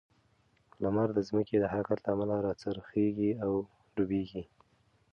لمر د ځمکې د حرکت له امله راخیژي او ډوبیږي.